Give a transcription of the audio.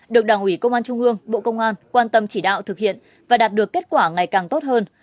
được đảng ủy công an trung ương bộ công an quan tâm chỉ đạo thực hiện và đạt được kết quả ngày càng tốt hơn